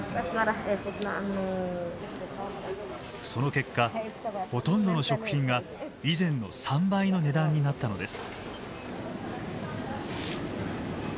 その結果ほとんどの食品が以前の３倍の値段になったのです。